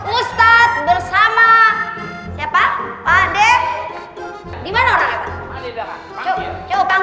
ustad bersama siapa pade dimana orang orang